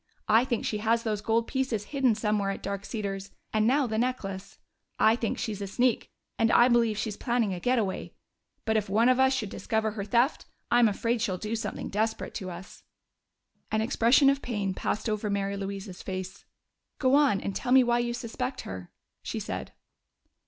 I think she has those gold pieces hidden somewhere at Dark Cedars and now the necklace. I think she's a sneak, and I believe she's planning a getaway. But if one of us should discover her theft, I'm afraid she'd do something desperate to us." An expression of pain passed over Mary Louise's face. "Go on, and tell me why you suspect her," she said.